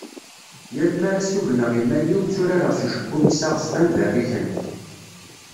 yal mi ara sugneɣ iman-iw tturareɣ s ucebbub-is aɣezfan berriken.